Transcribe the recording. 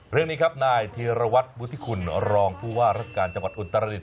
เรื่องนี้ครับนายเทราวัตรบุธิคุณรองฟุว่ารัฐกาลจังหวัดอุตรฤษฐ์